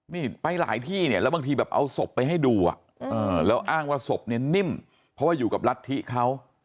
นี่ไปหลายที่เนี่ยแล้วบางทีแบบเอาศพไปให้ดูแล้วอ้างว่าศพเนี่ยนิ่มเพราะว่าอยู่กับรัฐธิเขา